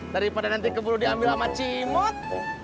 daripada nanti keburu diambil sama cimot